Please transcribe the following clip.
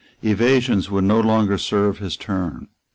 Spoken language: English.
Evasions would no longer serve his turn.